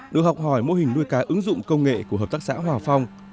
được học hỏi mô hình nuôi cá ứng dụng công nghệ của hợp tác xã hòa phong